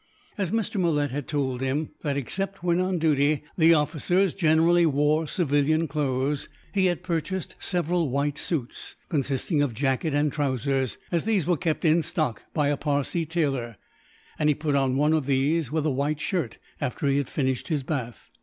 As Mr. Malet had told him that, except when on duty, the officers generally wore civilian clothes, he had purchased several white suits, consisting of jacket and trousers, as these were kept in stock by a Parsee tailor; and he put on one of these, with a white shirt, after he had finished his bath.